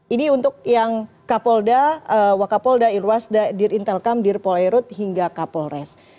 ini untuk yang kapolda wakapolda irwasda dir intelkam dir pol airut hingga kapolres